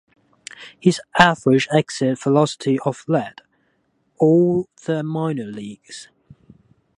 His average exit velocity of led all of the minor leagues.